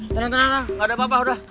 tenang tenang enggak ada apa apa udah